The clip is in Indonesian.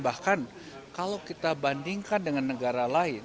bahkan kalau kita bandingkan dengan negara lain